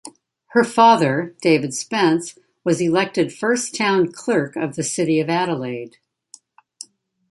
Her father, David Spence, was elected first Town Clerk of the City of Adelaide.